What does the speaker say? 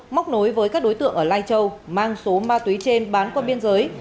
móc nối với các đối tượng ở lai châu mang số ma túy trên bán qua biên giới